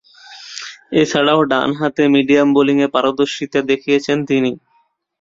এছাড়াও, ডানহাতে মিডিয়াম বোলিংয়ে পারদর্শীতা দেখিয়েছেন তিনি।